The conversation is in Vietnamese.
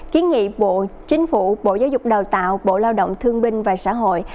kiến nghị bộ chính phủ bộ giáo dục đào tạo bộ lao động thương binh và xã hội